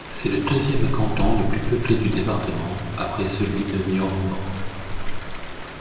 C'est le deuxième canton le plus peuplé du département, après celui de Niort-Nord.